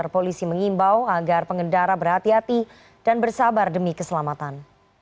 polisi mengimbau agar pengendara berhati hati dan bersabar demi keselamatan